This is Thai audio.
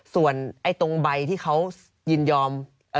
ส่วนตรงใบที่เขายินยอม